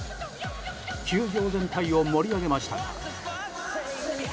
球場全体を盛り上げました。